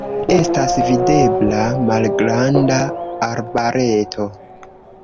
Estas videbla malgranda arbareto.